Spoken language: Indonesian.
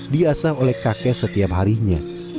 diasang oleh kakek setiap harinya